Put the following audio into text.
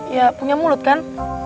ya punya mulut kan